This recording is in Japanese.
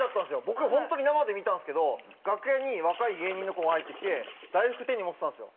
僕本当に生で見たんですけど楽屋に若い芸人の子が入ってきて大福手に持ってたんですよ。